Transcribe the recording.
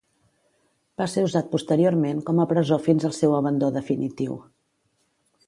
Va ser usat posteriorment com a presó fins al seu abandó definitiu.